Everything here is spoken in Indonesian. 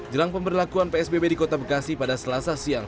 jelang pemberlakuan psbb di kota bekasi pada selasa siang